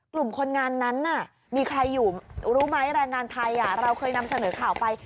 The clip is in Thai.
กลุ่มคนงานนั้นมีใครอยู่รู้ไหมแรงงานไทยเราเคยนำเสนอข่าวไป